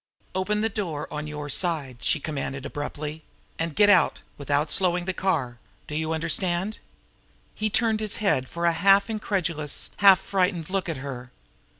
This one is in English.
"Open the door on your side!" she commanded abruptly. "And get out without slowing the car! Do you understand?" He turned his head for a half incredulous, half frightened look at her.